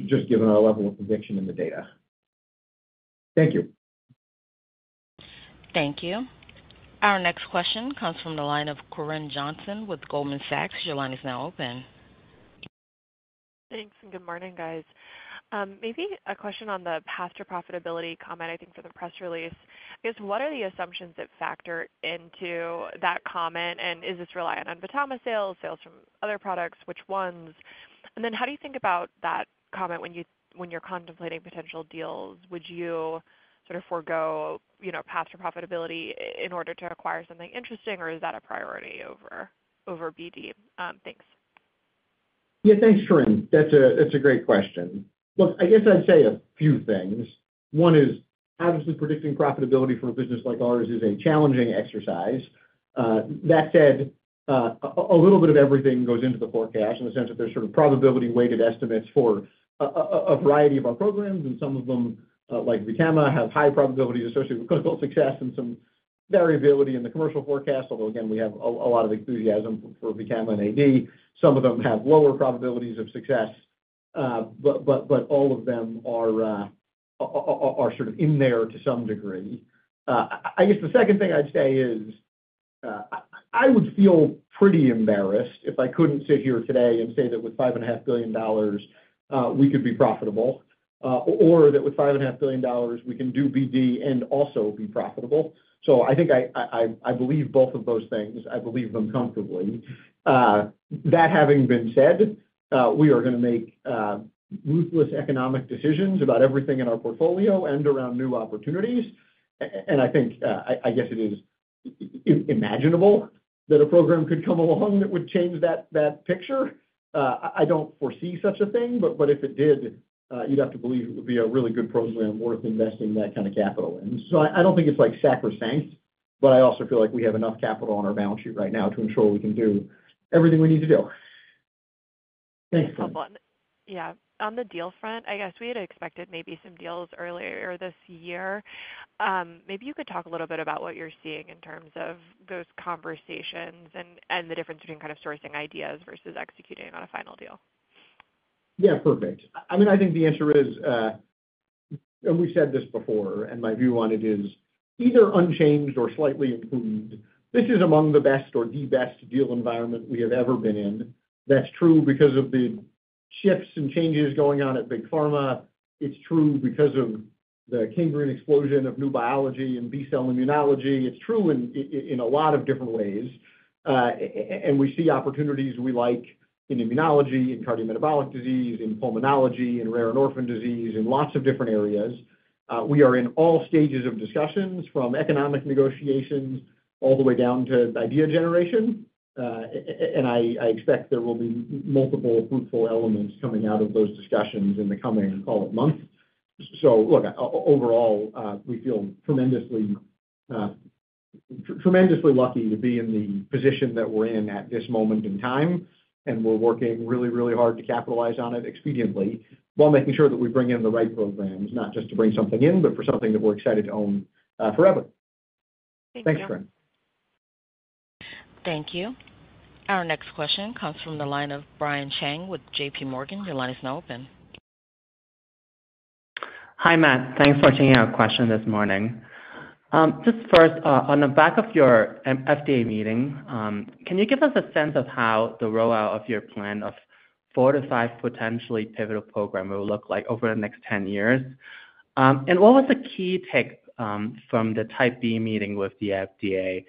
just given our level of conviction in the data. Thank you. Thank you. Our next question comes from the line of Corinne Jenkins with Goldman Sachs. Your line is now open. Thanks, and good morning, guys. Maybe a question on the path to profitability comment, I think, for the press release. I guess, what are the assumptions that factor into that comment, and is this reliant on VTAMA sales, sales from other products? Which ones? And then how do you think about that comment when you're contemplating potential deals? Would you sort of forgo, you know, path to profitability in order to acquire something interesting, or is that a priority over, over BD? Thanks. Yeah, thanks, Corinne. That's a great question. Look, I guess I'd say a few things. One is, obviously, predicting profitability for a business like ours is a challenging exercise. That said, a little bit of everything goes into the forecast in the sense that there's sort of probability-weighted estimates for a variety of our programs, and some of them, like VTAMA, have high probabilities associated with clinical success and some variability in the commercial forecast, although again, we have a lot of enthusiasm for VTAMA and AD. Some of them have lower probabilities of success, but all of them are sort of in there to some degree. I guess the second thing I'd say is, I would feel pretty embarrassed if I couldn't sit here today and say that with $5.5 billion, we could be profitable, or that with $5.5 billion, we can do BD and also be profitable. So I think I believe both of those things. I believe them comfortably. That having been said, we are going to make ruthless economic decisions about everything in our portfolio and around new opportunities. And I think, I guess it is imaginable that a program could come along that would change that picture. I don't foresee such a thing, but if it did, you'd have to believe it would be a really good program worth investing that kind of capital in. I don't think it's like sacrosanct, but I also feel like we have enough capital on our balance sheet right now to ensure we can do everything we need to do. Thanks, Corinne. Thanks, Matt. Yeah. On the deal front, I guess we had expected maybe some deals earlier this year. Maybe you could talk a little bit about what you're seeing in terms of those conversations and the difference between kind of sourcing ideas versus executing on a final deal. Yeah, perfect. I mean, I think the answer is, and we've said this before, and my view on it is either unchanged or slightly improved. This is among the best or the best deal environment we have ever been in. That's true because of the shifts and changes going on at big pharma. It's true because of the Cambrian explosion of new biology and B-cell immunology. It's true in a lot of different ways. And we see opportunities we like in immunology, in cardiometabolic disease, in pulmonology, in rare and orphan disease, in lots of different areas. We are in all stages of discussions, from economic negotiations all the way down to idea generation. And I expect there will be multiple fruitful elements coming out of those discussions in the coming, call it, months. So look, overall, we feel tremendously, tremendously lucky to be in the position that we're in at this moment in time, and we're working really, really hard to capitalize on it expediently, while making sure that we bring in the right programs, not just to bring something in, but for something that we're excited to own forever. Thank you. Thanks, Corinne. Thank you. Our next question comes from the line of Brian Cheng with J.P. Morgan. Your line is now open. Hi, Matt. Thanks for taking our question this morning. Just first, on the back of your FDA meeting, can you give us a sense of how the rollout of your plan of 4-5 potentially pivotal program will look like over the next 10 years? And what was the key take from the Type B meeting with the FDA?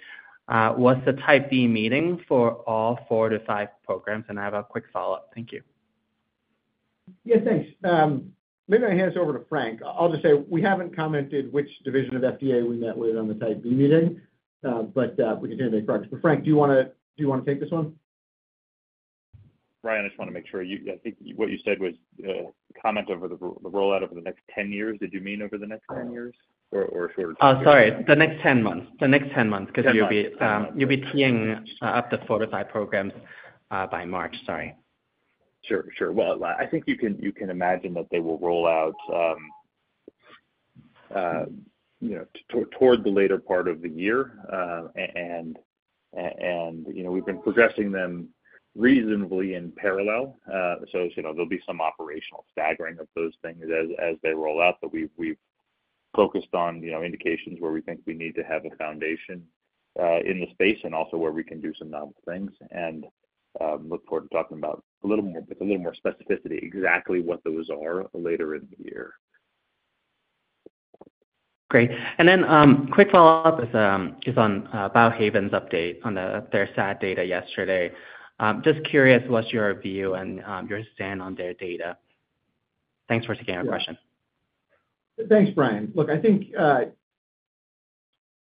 Was the Type B meeting for all 4-5 programs? And I have a quick follow-up. Thank you. Yeah, thanks. Maybe I'll hand this over to Frank. I'll just say, we haven't commented which division of FDA we met with on the Type B meeting, but we can hear from Frank. But Frank, do you wanna take this one? Brian, I just wanna make sure, you, I think what you said was, comment over the rollout over the next 10 years. Did you mean over the next 10 years or, or shorter? Sorry, the next 10 months. The next 10 months- Ten months. -because you'll be, you'll be teeing up the 4-5 programs by March. Sorry. Sure, sure. Well, I think you can, you can imagine that they will roll out, you know, toward the later part of the year. And, you know, we've been progressing them reasonably in parallel. So, you know, there'll be some operational staggering of those things as they roll out. But we've, we've focused on, you know, indications where we think we need to have a foundation in the space and also where we can do some novel things. And look forward to talking about a little more, with a little more specificity, exactly what those are later in the year. Great. And then, quick follow-up is on Biohaven's update on their SAD data yesterday. Just curious, what's your view and your stand on their data? Thanks for taking our question. Yeah. Thanks, Brian. Look, I think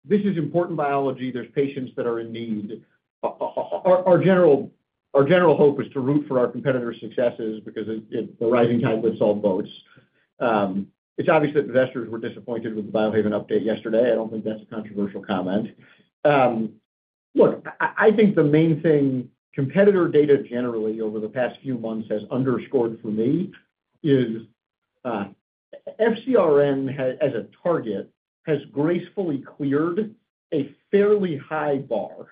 this is important biology. There's patients that are in need. Our general hope is to root for our competitors' successes because the rising tide lifts all boats. It's obvious that investors were disappointed with the Biohaven update yesterday. I don't think that's a controversial comment. Look, I think the main thing competitor data generally over the past few months has underscored for me is FcRn as a target has gracefully cleared a fairly high bar.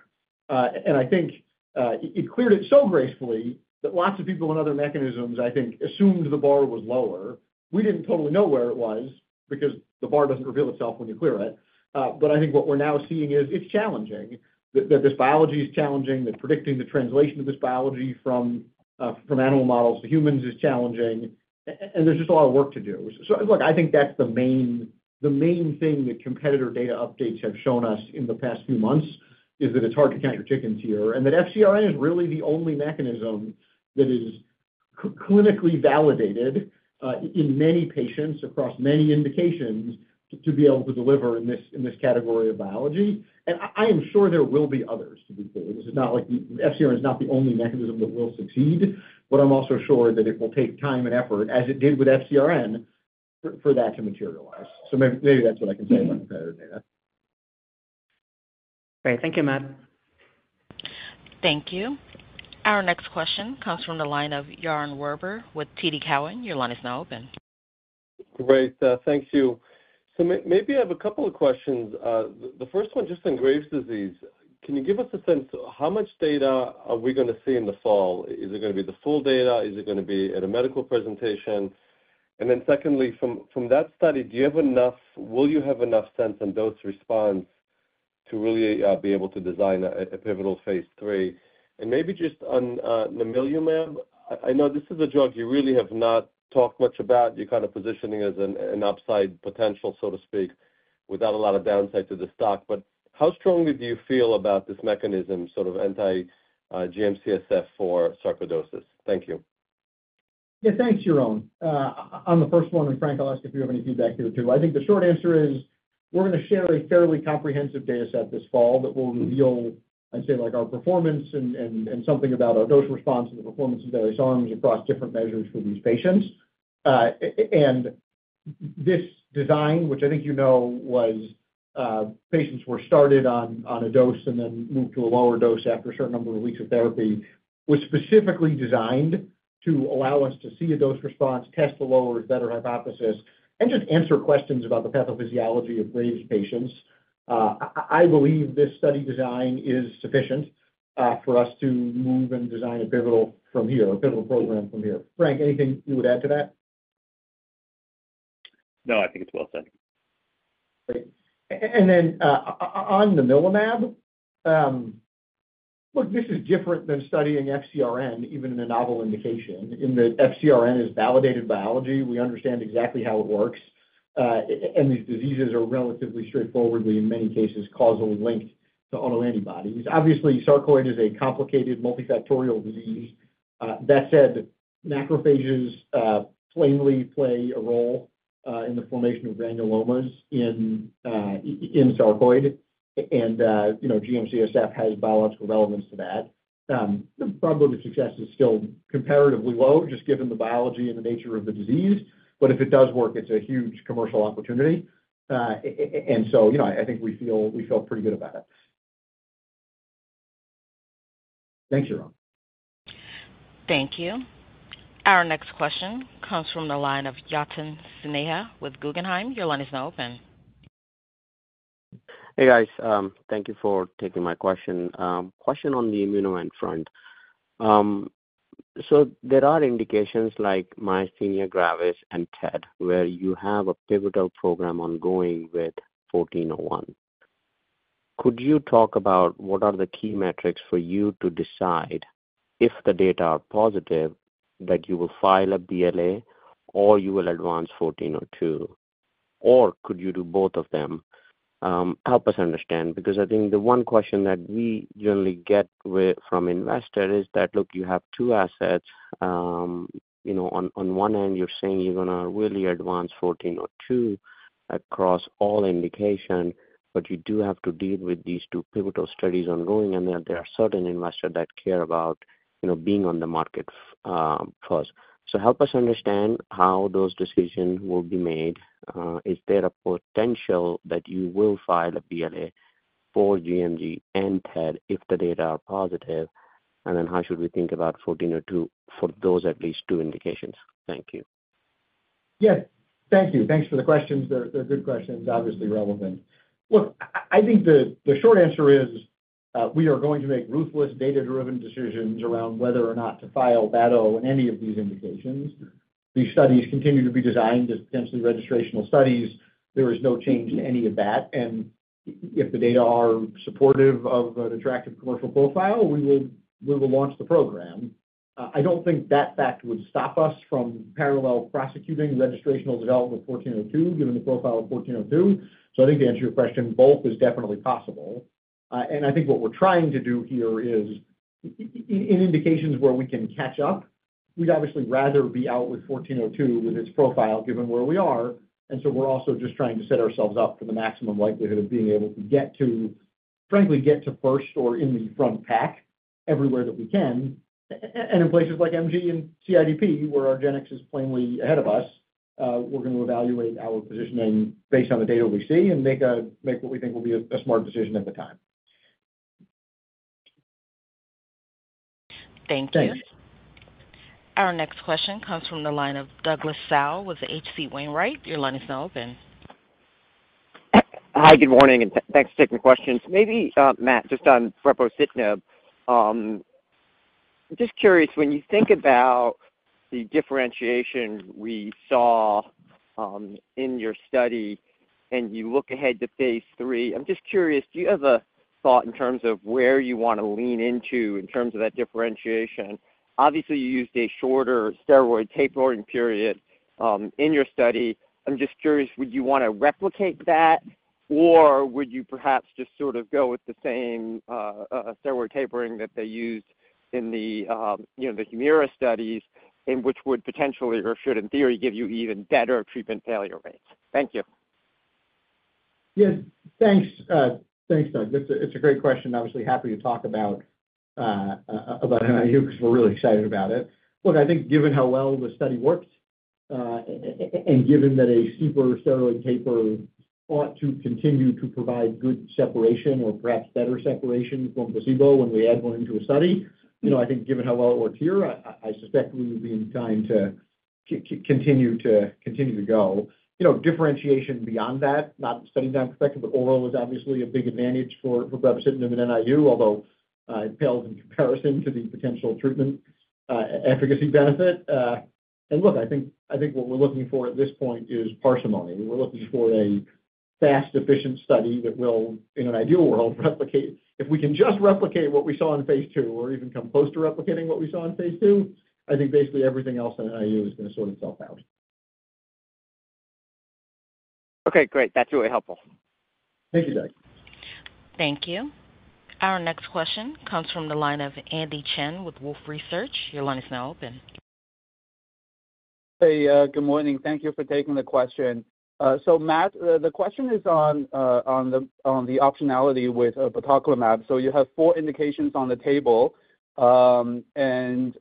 And I think it cleared it so gracefully that lots of people in other mechanisms, I think, assumed the bar was lower. We didn't totally know where it was because the bar doesn't reveal itself when you clear it. But I think what we're now seeing is it's challenging, that this biology is challenging, that predicting the translation of this biology from animal models to humans is challenging, and there's just a lot of work to do. So, look, I think that's the main thing that competitor data updates have shown us in the past few months, is that it's hard to count your chickens here, and that FcRn is really the only mechanism that is clinically validated in many patients across many indications, to be able to deliver in this category of biology. And I am sure there will be others, to be clear. This is not like... FcRn is not the only mechanism that will succeed, but I'm also sure that it will take time and effort, as it did with FcRn, for that to materialize. Maybe that's what I can say about the competitor data. Great. Thank you, Matt. Thank you. Our next question comes from the line of Yaron Werber with TD Cowen. Your line is now open. Great, thank you. So maybe I have a couple of questions. The first one, just on Graves' disease. Can you give us a sense, how much data are we gonna see in the fall? Is it gonna be the full data? Is it gonna be at a medical presentation? And then secondly, from that study, do you have enough will you have enough sense on dose response to really be able to design a pivotal phase three? And maybe just on namilumab, I know this is a drug you really have not talked much about. You're kind of positioning as an upside potential, so to speak, without a lot of downside to the stock. But how strongly do you feel about this mechanism, sort of anti GM-CSF for sarcoidosis? Thank you.... Yeah, thanks, Yaron. On the first one, and Frank, I'll ask if you have any feedback here, too. I think the short answer is we're going to share a fairly comprehensive data set this fall that will reveal, I'd say, like, our performance and something about our dose response and the performance of batoclimab across different measures for these patients. And this design, which I think you know, was patients were started on a dose and then moved to a lower dose after a certain number of weeks of therapy, was specifically designed to allow us to see a dose response, test the lower is better hypothesis, and just answer questions about the pathophysiology of Graves' patients. I believe this study design is sufficient for us to move and design a pivotal from here, a pivotal program from here. Frank, anything you would add to that? No, I think it's well said. Great. And then, on the namilumab, look, this is different than studying FcRn, even in a novel indication, in that FcRn is validated biology. We understand exactly how it works, and these diseases are relatively straightforwardly, in many cases, causally linked to autoantibodies. Obviously, sarcoid is a complicated multifactorial disease. That said, macrophages plainly play a role in the formation of granulomas in sarcoid, and, you know, GM-CSF has biological relevance to that. The probability of success is still comparatively low, just given the biology and the nature of the disease, but if it does work, it's a huge commercial opportunity. And so, you know, I think we feel, we feel pretty good about it. Thanks, Jeroen. Thank you. Our next question comes from the line of Yatin Suneja with Guggenheim. Your line is now open. Hey, guys. Thank you for taking my question. Question on the immuno front. So there are indications like myasthenia gravis and TED, where you have a pivotal program ongoing with 1401. Could you talk about what are the key metrics for you to decide if the data are positive, that you will file a BLA or you will advance 1402? Or could you do both of them? Help us understand, because I think the one question that we generally get from investors is that, look, you have two assets. You know, on, on one end, you're saying you're gonna really advance 1402 across all indication, but you do have to deal with these two pivotal studies ongoing, and that there are certain investors that care about, you know, being on the market first. So help us understand how those decisions will be made. Is there a potential that you will file a BLA for MG and TED if the data are positive? And then how should we think about 1402 for those at least two indications? Thank you. Yeah. Thank you. Thanks for the questions. They're good questions, obviously relevant. Look, I think the short answer is, we are going to make ruthless, data-driven decisions around whether or not to file batoclimab in any of these indications. These studies continue to be designed as potentially registrational studies. There is no change to any of that, and if the data are supportive of an attractive commercial profile, we will launch the program. I don't think that fact would stop us from parallel prosecuting registrational development of 1402, given the profile of 1402. So I think to answer your question, both is definitely possible. And I think what we're trying to do here is in indications where we can catch up, we'd obviously rather be out with 1402, with its profile, given where we are. And so we're also just trying to set ourselves up for the maximum likelihood of being able to get to, frankly, get to first or in the front pack everywhere that we can. And in places like MG and CIDP, where argenx is plainly ahead of us, we're going to evaluate our positioning based on the data we see and make what we think will be a smart decision at the time. Thank you. Thanks. Our next question comes from the line of Douglas Tsao with H.C. Wainwright. Your line is now open. Hi, good morning, and thanks for taking the questions. Maybe, Matt, just on brepocitinib, just curious, when you think about the differentiation we saw, in your study, and you look ahead to phase three, I'm just curious, do you have a thought in terms of where you want to lean into in terms of that differentiation? Obviously, you used a shorter steroid tapering period, in your study. I'm just curious, would you want to replicate that, or would you perhaps just sort of go with the same, steroid tapering that they used in the, you know, the Humira studies, and which would potentially or should, in theory, give you even better treatment failure rates? Thank you. Yes, thanks. Thanks, Doug. It's a great question, obviously happy to talk about NIU because we're really excited about it. Look, I think given how well the study worked, and given that a super steroid taper ought to continue to provide good separation or perhaps better separation from placebo when we add one into a study, you know, I think given how well it worked here, I suspect we would be inclined to continue to go. You know, differentiation beyond that, not studying that perspective, but oral is obviously a big advantage for brepocitinib and NIU, although it pales in comparison to the potential treatment efficacy benefit. And look, I think what we're looking for at this point is parsimony. We're looking for a fast, efficient study that will, in an ideal world, replicate... If we can just replicate what we saw in phase 2 or even come close to replicating what we saw in phase 2, I think basically everything else in NIU is going to sort itself out. ... Okay, great. That's really helpful. Thank you, Doug. Thank you. Our next question comes from the line of Andy Chen with Wolfe Research. Your line is now open. Hey, good morning. Thank you for taking the question. So Matt, the question is on the optionality with batoclimab. So you have four indications on the table. And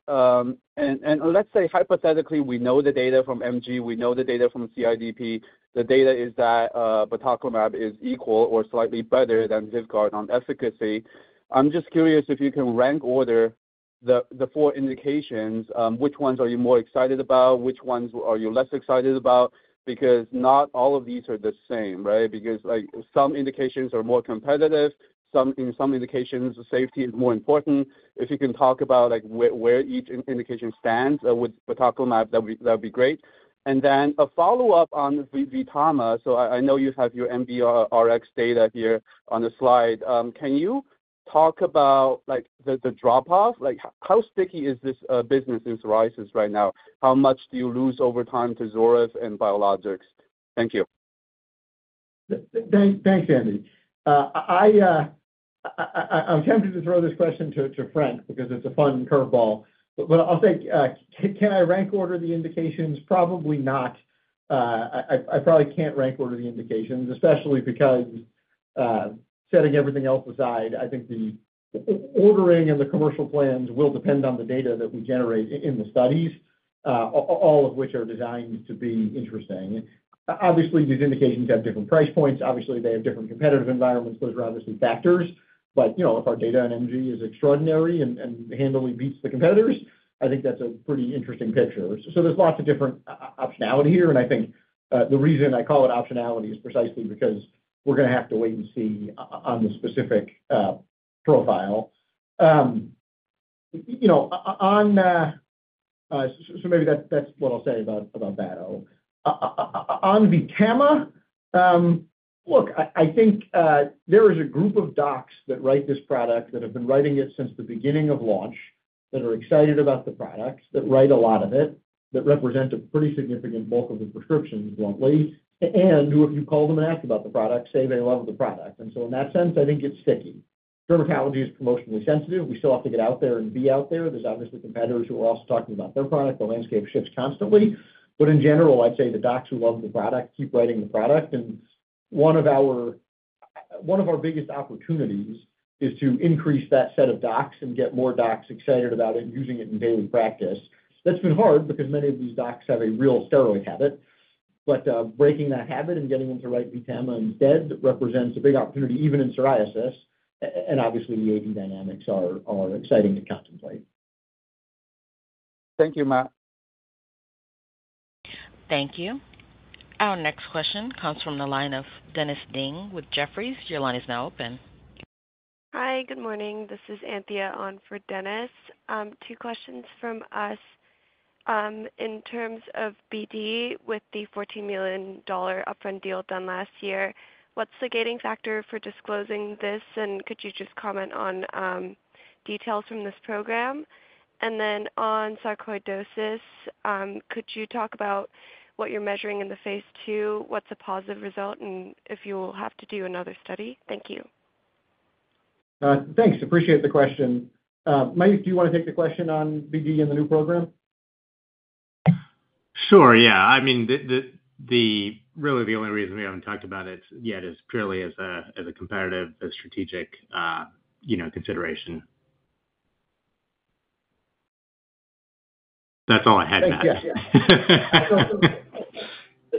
let's say hypothetically, we know the data from MG, we know the data from CIDP. The data is that batoclimab is equal or slightly better than Vyvgart on efficacy. I'm just curious if you can rank order the four indications. Which ones are you more excited about? Which ones are you less excited about? Because not all of these are the same, right? Because, like, some indications are more competitive. Some, in some indications, the safety is more important. If you can talk about, like, where each indication stands with batoclimab, that'd be great. And then a follow-up on VTAMA. So I know you have your NBRx data here on the slide. Can you talk about, like, the drop-off? Like, how sticky is this business in psoriasis right now? How much do you lose over time to Xeljanz and biologics? Thank you. Thanks, Andy. I'm tempted to throw this question to Frank, because it's a fun curveball. But I'll say, can I rank order the indications? Probably not. I probably can't rank order the indications, especially because, setting everything else aside, I think the ordering and the commercial plans will depend on the data that we generate in the studies, all of which are designed to be interesting. Obviously, these indications have different price points. Obviously, they have different competitive environments. Those are obviously factors. But, you know, if our data on MG is extraordinary and handily beats the competitors, I think that's a pretty interesting picture. So there's lots of different optionality here, and I think the reason I call it optionality is precisely because we're gonna have to wait and see on the specific profile. You know, on... So maybe that's what I'll say about that. On VTAMA, look, I think there is a group of docs that write this product, that have been writing it since the beginning of launch, that are excited about the products, that write a lot of it, that represent a pretty significant bulk of the prescriptions, bluntly, and who, if you call them and ask about the product, say they love the product. And so in that sense, I think it's sticky. Dermatology is promotionally sensitive. We still have to get out there and be out there. There's obviously competitors who are also talking about their product. The landscape shifts constantly. But in general, I'd say the docs who love the product keep writing the product. One of our biggest opportunities is to increase that set of docs and get more docs excited about it and using it in daily practice. That's been hard because many of these docs have a real steroid habit, but breaking that habit and getting them to write VTAMA instead represents a big opportunity, even in psoriasis, and obviously, the agent dynamics are exciting to contemplate. Thank you, Matt. Thank you. Our next question comes from the line of Dennis Ding with Jefferies. Your line is now open. Hi, good morning. This is Anthea on for Dennis. Two questions from us. In terms of BD, with the $14 million upfront deal done last year, what's the gating factor for disclosing this? And could you just comment on, details from this program? And then on sarcoidosis, could you talk about what you're measuring in the phase 2? What's a positive result, and if you'll have to do another study? Thank you. Thanks. Appreciate the question. Mayukh, do you wanna take the question on BD and the new program? Sure, yeah. I mean, the only reason we haven't talked about it yet is purely as a competitive, strategic, you know, consideration. That's all I had, Matt. Yeah.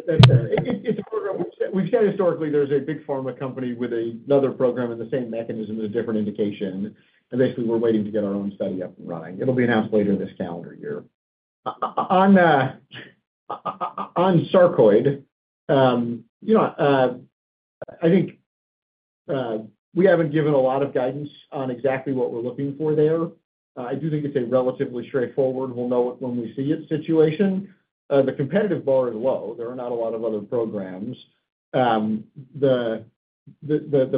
It's a program which historically there's a big pharma company with another program and the same mechanism as a different indication, and basically, we're waiting to get our own study up and running. It'll be announced later this calendar year. On sarcoid, you know, I think we haven't given a lot of guidance on exactly what we're looking for there. I do think it's a relatively straightforward, we'll know it when we see it, situation. The competitive bar is low. There are not a lot of other programs. The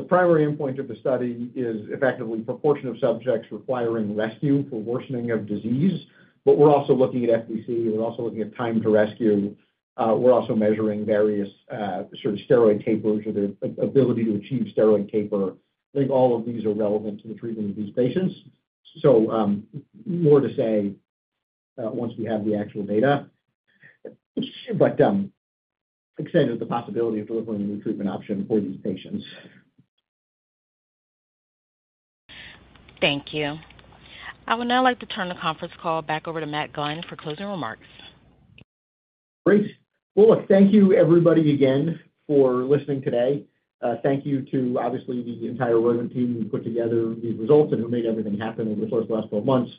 primary endpoint of the study is effectively proportion of subjects requiring rescue for worsening of disease, but we're also looking at FVC, we're also looking at time to rescue. We're also measuring various sort of steroid tapers or the ability to achieve steroid taper. I think all of these are relevant to the treatment of these patients, so, more to say, once we have the actual data. But, excited at the possibility of delivering a new treatment option for these patients. Thank you. I would now like to turn the conference call back over to Matt Gline for closing remarks. Great! Well, look, thank you, everybody, again, for listening today. Thank you to, obviously, the entire Roivant team who put together these results and who made everything happen over the course of the last 12 months.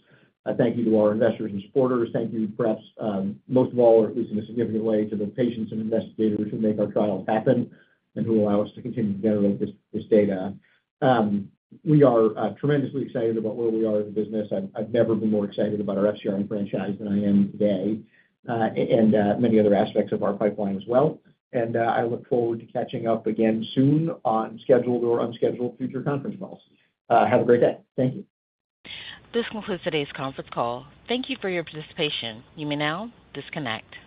Thank you to our investors and supporters. Thank you, perhaps, most of all, or at least in a significant way, to the patients and investigators who make our trials happen and who allow us to continue to generate this, this data. We are tremendously excited about where we are as a business. I've never been more excited about our FcRn franchise than I am today, and many other aspects of our pipeline as well. I look forward to catching up again soon on scheduled or unscheduled future conference calls. Have a great day. Thank you. This concludes today's conference call. Thank you for your participation. You may now disconnect.